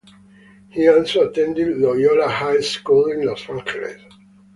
He also attended Loyola High School in Los Angeles.